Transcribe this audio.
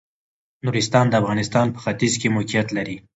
نورستان د افغانستان په ختيځ کې موقيعت لري.